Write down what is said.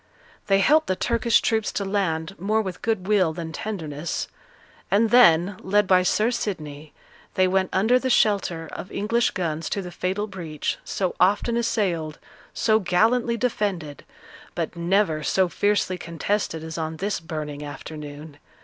They helped the Turkish troops to land more with good will than tenderness; and then, led by Sir Sidney, they went under the shelter of English guns to the fatal breach, so often assailed, so gallantly defended, but never so fiercely contested as on this burning afternoon.